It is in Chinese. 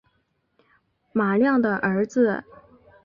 马亮的儿子